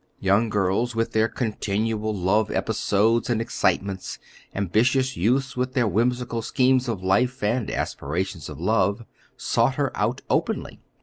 Young girls with their continual love episodes and excitements, ambitious youths with their whimsical schemes of life and aspirations of love, sought her out openly.